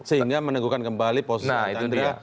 sehingga menegurkan kembali pos arsyandra